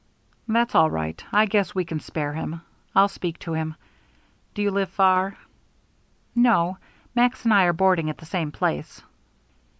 "That's all right. I guess we can spare him. I'll speak to him. Do you live far?" "No; Max and I are boarding at the same place."